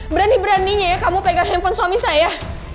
berani beraninya ya kamu pegang handphone suami saya